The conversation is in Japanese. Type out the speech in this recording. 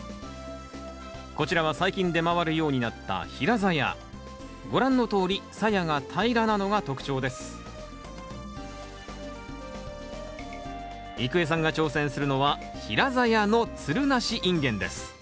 こちらは最近出回るようになったご覧のとおりさやが平らなのが特徴です郁恵さんが挑戦するのは平ざやのつるなしインゲンです。